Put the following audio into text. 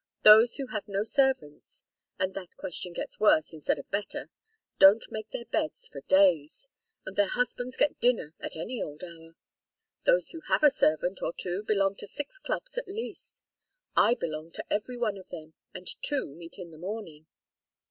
Those who have no servants and that question gets worse instead of better don't make their beds for days, and their husbands get dinner at any old hour. Those who have a servant or two belong to six clubs at least. I belong to every one of them, and two meet in the morning."